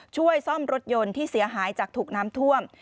ช่วยซ่อมรถยนต์ที่เสียหายจากถูกน้ำท่วม